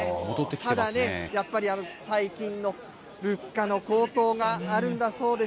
ただね、やっぱり最近の物価の高騰があるんだそうです。